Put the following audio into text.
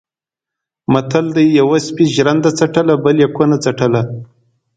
متل دی: یوه سپي ژرنده څټله بل یې کونه څټله.